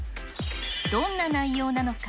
どんな内容なのか。